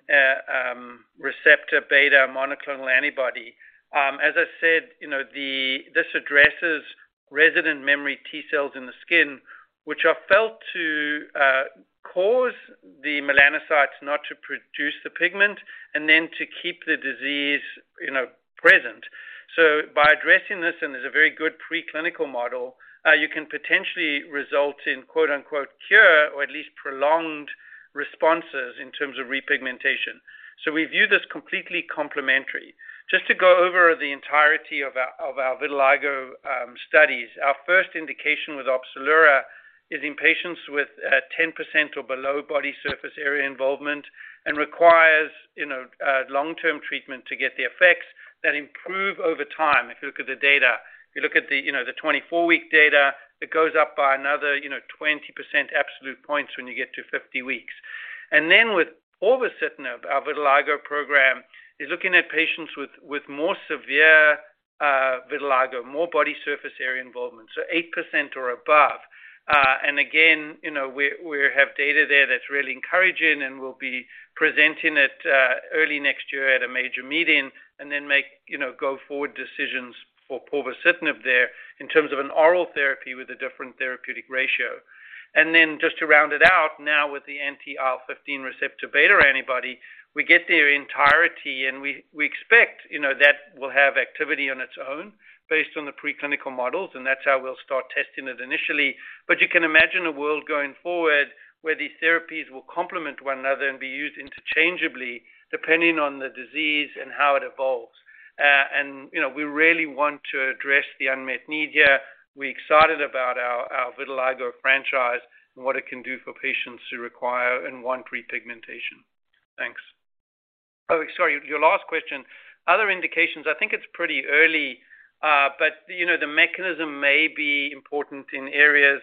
receptor beta monoclonal antibody, as I said, you know, this addresses resident memory T cells in the skin, which are felt to cause the melanocytes not to produce the pigment and then to keep the disease, you know, present. By addressing this, and there's a very good preclinical model, you can potentially result in quote-unquote cure or at least prolonged responses in terms of repigmentation. We view this completely complementary. Just to go over the entirety of our vitiligo studies, our first indication with Opzelura is in patients with 10% or below body surface area involvement and requires you know long-term treatment to get the effects that improve over time if you look at the data. If you look at the you know the 24-week data, it goes up by another you know 20% absolute points when you get to 50 weeks. With ruxolitinib, our vitiligo program is looking at patients with more severe vitiligo, more body surface area involvement, so 8% or above. Again, you know, we have data there that's really encouraging, and we'll be presenting it early next year at a major meeting and then make, you know, go-forward decisions for povorcitinib there in terms of an oral therapy with a different therapeutic ratio. Just to round it out, now with the anti-IL-15 receptor beta antibody, we get the entirety, and we expect, you know, that will have activity on its own based on the preclinical models, and that's how we'll start testing it initially. You can imagine a world going forward where these therapies will complement one another and be used interchangeably depending on the disease and how it evolves. You know, we really want to address the unmet need here. We're excited about our vitiligo franchise and what it can do for patients who require and want repigmentation. Thanks. Sorry, your last question. Other indications, I think it's pretty early, but, you know, the mechanism may be important in areas,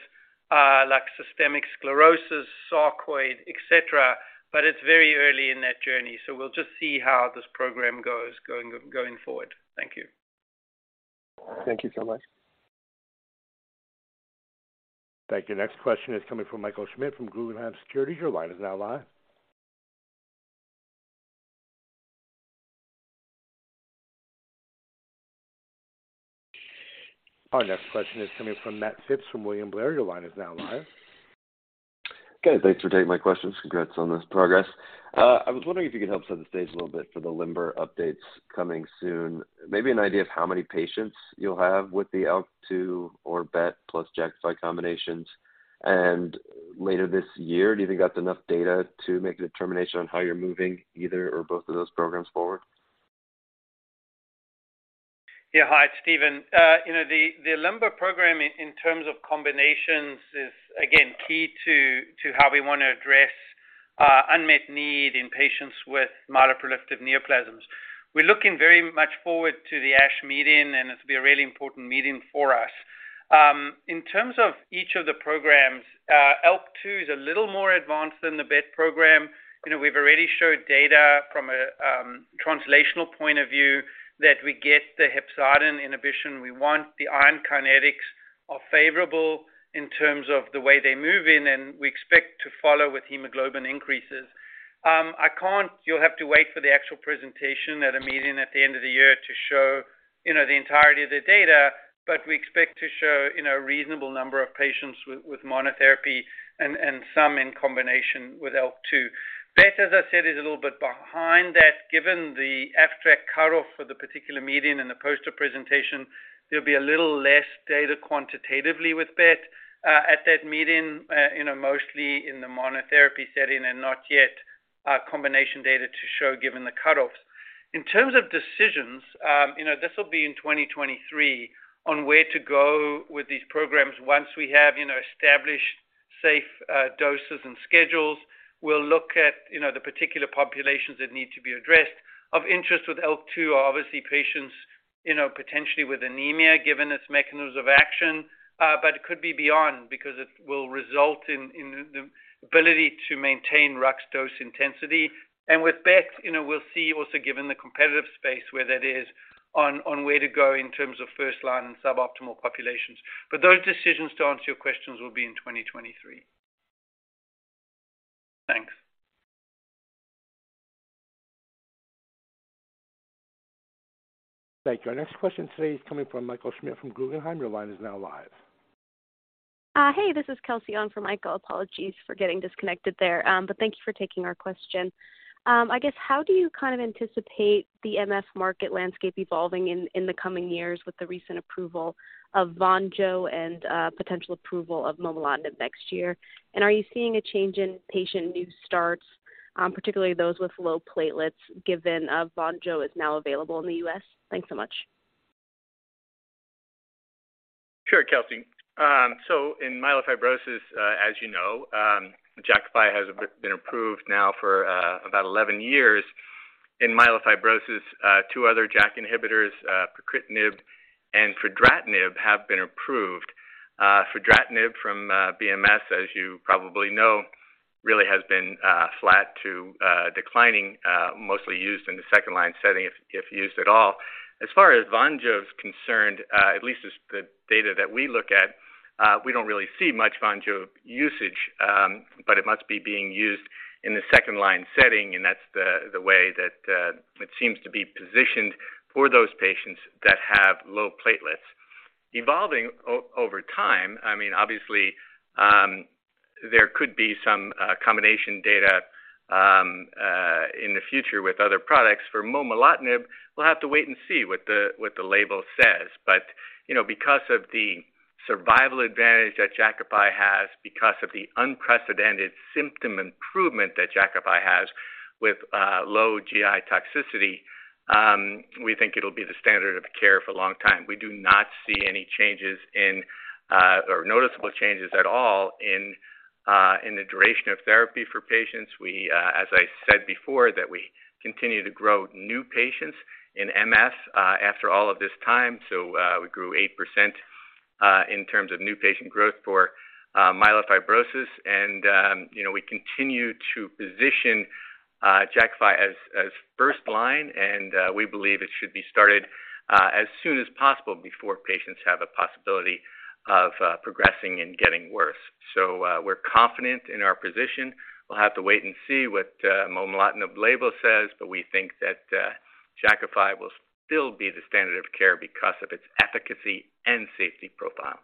like systemic sclerosis, sarcoid, et cetera, but it's very early in that journey. We'll just see how this program goes going forward. Thank you. Thank you so much. Thank you. Next question is coming from Michael Schmidt from Guggenheim Securities. Your line is now live. Our next question is coming from Matt Phipps from William Blair. Your line is now live. Okay, thanks for taking my questions. Congrats on this progress. I was wondering if you could help set the stage a little bit for the LIMBER updates coming soon. Maybe an idea of how many patients you'll have with the ALK2 or BET plus Jakafi combinations. Later this year, do you think you got enough data to make a determination on how you're moving either or both of those programs forward? Yeah. Hi, it's Steven. You know, the LIMBER program in terms of combinations is again key to how we wanna address unmet need in patients with myeloproliferative neoplasms. We're looking very much forward to the ASH meeting, and it'll be a really important meeting for us. In terms of each of the programs, ALK2 is a little more advanced than the BET program. You know, we've already showed data from a translational point of view that we get the hepcidin inhibition we want. The iron kinetics are favorable in terms of the way they move in, and we expect to follow with hemoglobin increases. I can't. You'll have to wait for the actual presentation at a meeting at the end of the year to show, you know, the entirety of the data, but we expect to show, you know, a reasonable number of patients with monotherapy and some in combination with ALK2. BET, as I said, is a little bit behind that. Given the abstract cutoff for the particular meeting and the poster presentation, there'll be a little less data quantitatively with BET at that meeting, you know, mostly in the monotherapy setting and not yet combination data to show given the cutoffs. In terms of decisions, you know, this will be in 2023 on where to go with these programs. Once we have, you know, established safe doses and schedules, we'll look at, you know, the particular populations that need to be addressed. Of interest with ALK2 are obviously patients, you know, potentially with anemia, given its mechanism of action, but it could be beyond because it will result in the ability to maintain Rux dose intensity. With BET, you know, we'll see also given the competitive space where that is on where to go in terms of first-line and suboptimal populations. Those decisions, to answer your questions, will be in 2023. Thanks. Thank you. Our next question today is coming from Michael Schmidt from Guggenheim. Your line is now live. Hey, this is Kelsey on for Michael. Apologies for getting disconnected there. Thank you for taking our question. I guess how do you kind of anticipate the MF market landscape evolving in the coming years with the recent approval of Vonjo and potential approval of momelotinib next year? And are you seeing a change in patient new starts, particularly those with low platelets given Vonjo is now available in the U.S.? Thanks so much. Sure, Kelsey. In myelofibrosis, as you know, Jakavi has been approved now for about 11 years. In myelofibrosis, two other JAK inhibitors, pacritinib and fedratinib have been approved. Fedratinib from BMS, as you probably know, really has been flat to declining, mostly used in the second-line setting, if used at all. As far as Vonjo is concerned, at least as the data that we look at. We don't really see much Vonjo usage, but it must be being used in the second line setting, and that's the way that it seems to be positioned for those patients that have low platelets. Evolving over time, I mean, obviously, there could be some combination data in the future with other products. For momelotinib, we'll have to wait and see what the label says. You know, because of the survival advantage that Jakafi has, because of the unprecedented symptom improvement that Jakafi has with low GI toxicity, we think it'll be the standard of care for a long time. We do not see any changes or noticeable changes at all in the duration of therapy for patients. We, as I said before, that we continue to grow new patients in MF after all of this time. We grew 8% in terms of new patient growth for myelofibrosis and, you know, we continue to position Jakafi as first line, and we believe it should be started as soon as possible before patients have a possibility of progressing and getting worse. We're confident in our position. We'll have to wait and see what momelotinib label says, but we think that Jakafi will still be the standard of care because of its efficacy and safety profile.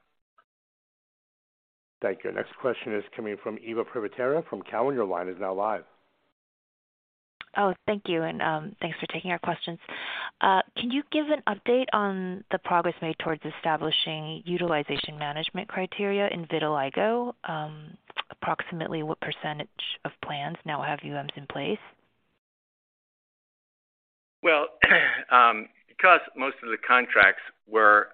Thank you. Next question is coming from Eva Privitera from Cowen. Your line is now live. Thanks for taking our questions. Can you give an update on the progress made towards establishing utilization management criteria in vitiligo? Approximately what percentage of plans now have UMs in place? Well, because most of the contracts were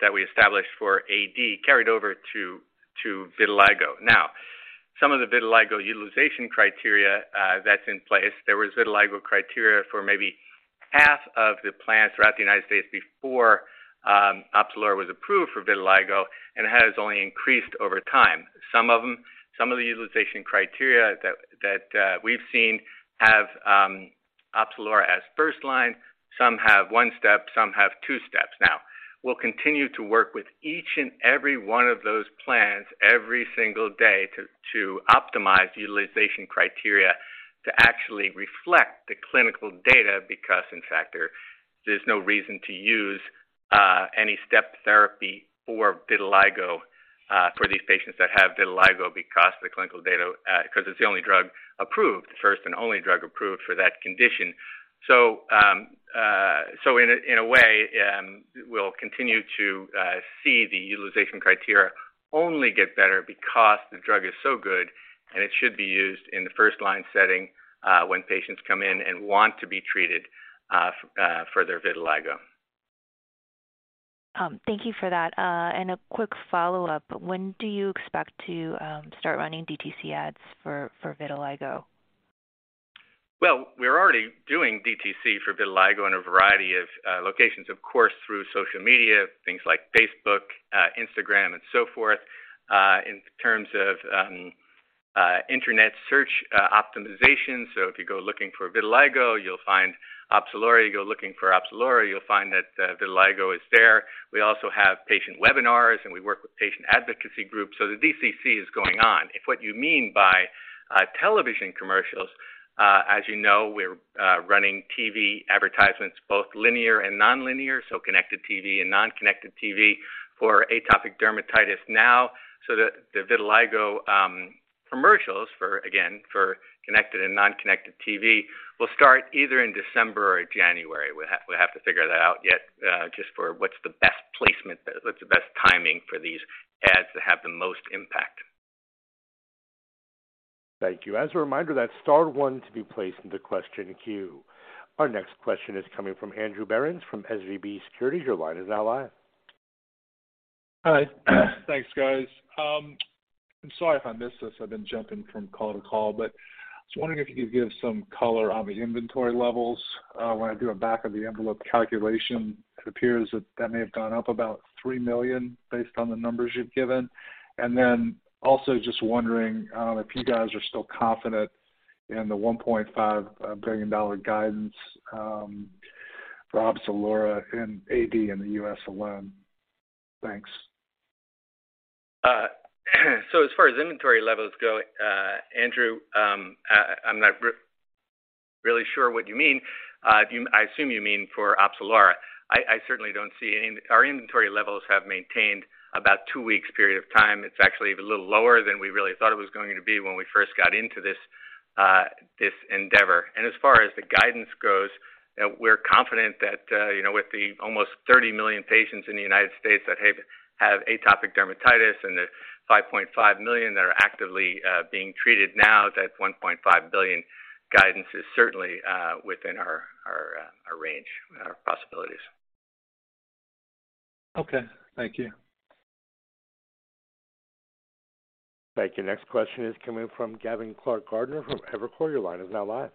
that we established for AD carried over to vitiligo. Now, some of the vitiligo utilization criteria that's in place, there was vitiligo criteria for maybe half of the plans throughout the United States before Opzelura was approved for vitiligo and has only increased over time. Some of them. Some of the utilization criteria that we've seen have Opzelura as first line. Some have one step, some have two steps. Now, we'll continue to work with each and every one of those plans every single day to optimize utilization criteria to actually reflect the clinical data, because in fact, there's no reason to use any step therapy for vitiligo for these patients that have vitiligo because the clinical data 'cause it's the only drug approved, first and only drug approved for that condition. In a way, we'll continue to see the utilization criteria only get better because the drug is so good and it should be used in the first line setting when patients come in and want to be treated for their vitiligo. Thank you for that. A quick follow-up. When do you expect to start running DTC ads for vitiligo? Well, we're already doing DTC for vitiligo in a variety of locations, of course, through social media, things like Facebook, Instagram and so forth, in terms of internet search optimization. If you go looking for vitiligo, you'll find Opzelura. You go looking for Opzelura, you'll find that vitiligo is there. We also have patient webinars, and we work with patient advocacy groups. The DTC is going on. If what you mean by television commercials, as you know, we're running TV advertisements both linear and nonlinear, so connected TV and non-connected TV for atopic dermatitis now. The vitiligo commercials for, again, for connected and non-connected TV will start either in December or January. We'll have to figure that out yet, just for what's the best placement, what's the best timing for these ads to have the most impact. Thank you. As a reminder, that's star one to be placed in the question queue. Our next question is coming from Andrew Berens from SVB Securities. Your line is now live. Hi. Thanks, guys. I'm sorry if I missed this. I've been jumping from call to call, but I was wondering if you could give some color on the inventory levels. When I do a back of the envelope calculation, it appears that may have gone up about $3 million based on the numbers you've given. Also just wondering if you guys are still confident in the $1.5 billion guidance for Opzelura in AD in the U.S. alone. Thanks. So as far as inventory levels go, Andrew, I'm not really sure what you mean. I assume you mean for Opzelura. I certainly don't see any. Our inventory levels have maintained about a two-week period of time. It's actually a little lower than we really thought it was going to be when we first got into this endeavor. As far as the guidance goes, we're confident that, you know, with the almost 30 million patients in the United States that have atopic dermatitis and the 5.5 million that are actively being treated now, that $1.5 billion guidance is certainly within our range, our possibilities. Okay. Thank you. Thank you. Next question is comin g from Gavin Clark-Gartner from Evercore. Your line is now live.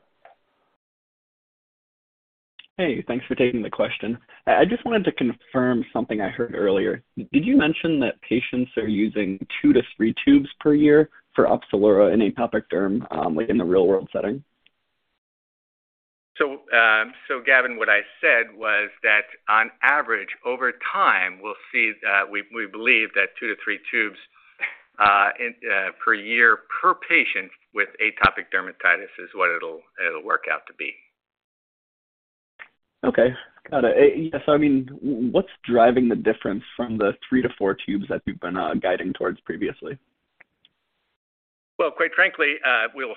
Hey, thanks for taking the question. I just wanted to confirm something I heard earlier. Did you mention that patients are using two-three tubes per year for Opzelura in atopic derm, like in the real world setting? Gavin, what I said was that on average, over time, we'll see that we believe that two-three tubes per year per patient with atopic dermatitis is what it'll work out to be. Okay. Got it. Yes, I mean, what's driving the difference from the three-four tubes that you've been guiding towards previously? Well, quite frankly, we'll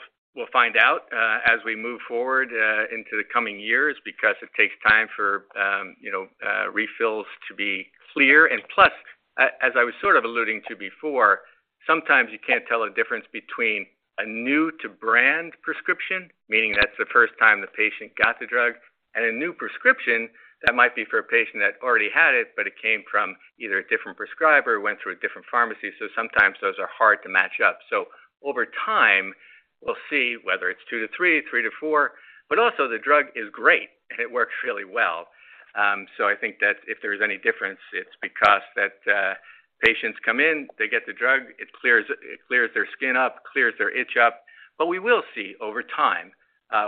find out as we move forward into the coming years because it takes time for, you know, refills to be clear. Plus, as I was sort of alluding to before, sometimes you can't tell a difference between a new to brand prescription, meaning that's the first time the patient got the drug, and a new prescription that might be for a patient that already had it, but it came from either a different prescriber, went through a different pharmacy, so sometimes those are hard to match up. Over time, we'll see whether it's two-three, three-four. Also the drug is great and it works really well. I think that if there's any difference, it's because patients come in, they get the drug, it clears their skin up, clears their itch up. We will see over time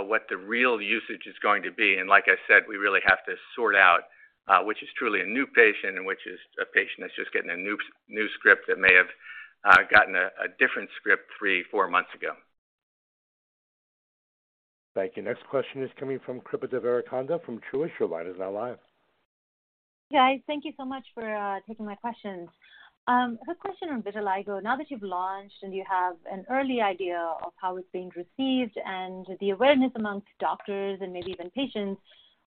what the real usage is going to be. Like I said, we really have to sort out which is truly a new patient and which is a patient that's just getting a new script that may have gotten a different script three, four months ago. Thank you. Next question is coming from Srikripa Devarakonda from Truist. Your line is now live. Guys, thank you so much for taking my questions. A question on vitiligo. Now that you've launched and you have an early idea of how it's being received and the awareness among doctors and maybe even patients,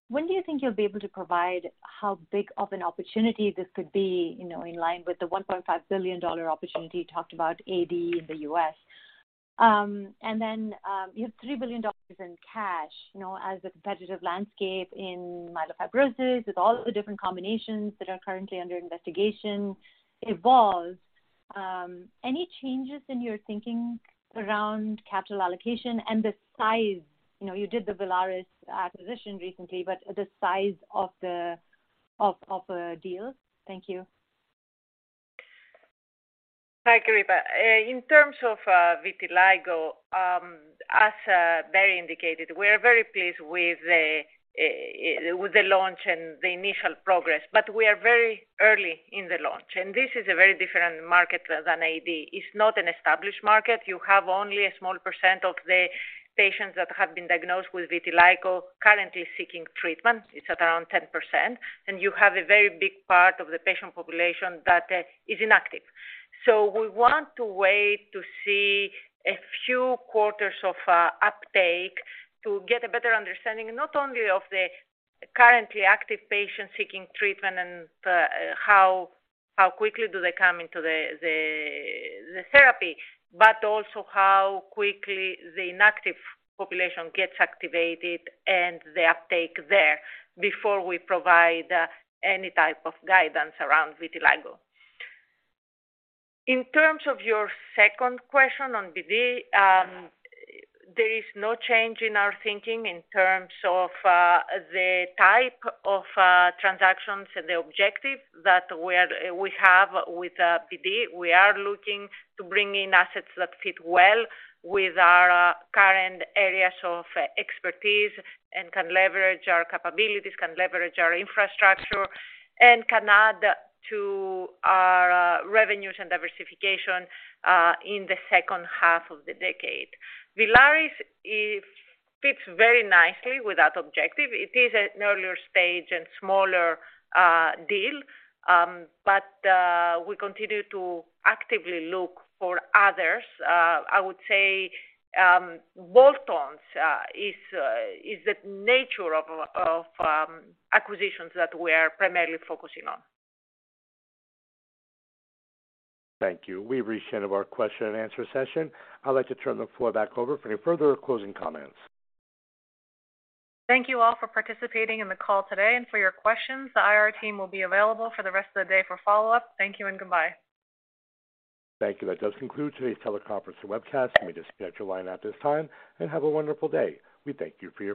when do you think you'll be able to provide how big of an opportunity this could be, you know, in line with the $1.5 billion opportunity you talked about AD in the US? You have $3 billion in cash, you know, as a competitive landscape in myelofibrosis with all of the different combinations that are currently under investigation evolves, any changes in your thinking around capital allocation and the size? You know, you did the Villaris acquisition recently, but the size of a deal. Thank you. Hi, Kripa Devarakonda. In terms of vitiligo, as Barry Flannelly indicated, we are very pleased with the launch and the initial progress, but we are very early in the launch, and this is a very different market than AD. It's not an established market. You have only a small percent of the patients that have been diagnosed with vitiligo currently seeking treatment. It's around 10%. You have a very big part of the patient population that is inactive. We want to wait to see a few quarters of uptake to get a better understanding not only of the currently active patients seeking treatment and how quickly do they come into the therapy, but also how quickly the inactive population gets activated and the uptake there before we provide any type of guidance around vitiligo. In terms of your second question on BD, there is no change in our thinking in terms of the type of transactions and the objective that we have with BD. We are looking to bring in assets that fit well with our current areas of expertise and can leverage our capabilities, can leverage our infrastructure and can add to our revenues and diversification in the second half of the decade. Villaris, it fits very nicely with that objective. It is an earlier stage and smaller deal, but we continue to actively look for others. I would say bolt-ons is the nature of acquisitions that we are primarily focusing on. Thank you. We've reached the end of our question and answer session. I'd like to turn the floor back over for any further closing comments. Thank you all for participating in the call today and for your questions. The IR team will be available for the rest of the day for follow-up. Thank you and goodbye. Thank you. That does conclude today's teleconference and webcast. You may disconnect your line at this time, and have a wonderful day. We thank you for your participation.